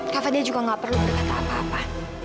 kak fadil juga gak perlu berkata apa apa